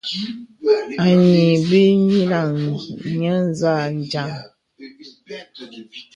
Ayi bə īī nyilaŋ nyə̄ nzâ jaŋ.